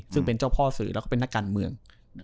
ซึ่งเป็นเจ้าพ่อสื่อแล้วก็เป็นนักการเมือง